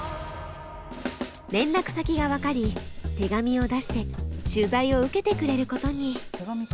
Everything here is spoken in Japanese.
連絡先が分かり手紙を出して取材を受けてくれることに。